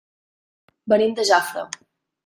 Venim de Jafre.